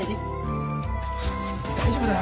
大丈夫だよ。